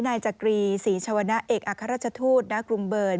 นายจักรีศรีชวนะเอกอัครราชทูตณกรุงเบิร์น